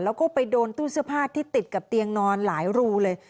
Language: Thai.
แล้วก็ไปโดนตู้เสื้อผ้าที่ติดกับเตียงนอนหลายรูเลย